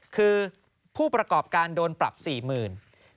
คือผู้ประกอบการโดนปรับ๔๐๐๐บาท